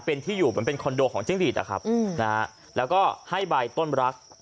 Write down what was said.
เป็นที่อยู่เหมือนเป็นคอนโดของจิ้งหลีดอะครับนะฮะแล้วก็ให้ใบต้นรัก